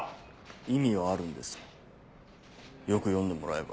意味はあるんですよく読んでもらえば。